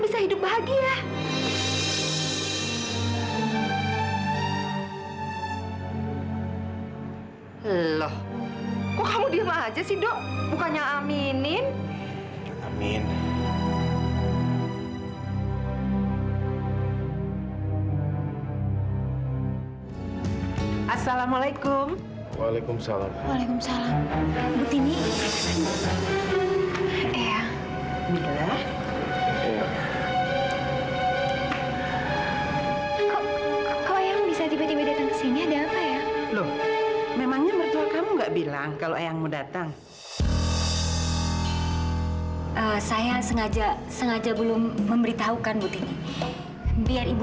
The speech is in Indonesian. sampai jumpa di video selanjutnya